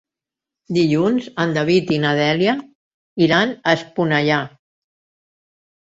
Dilluns en David i na Dèlia iran a Esponellà.